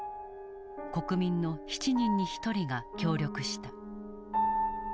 国民の７人に１人が協力した。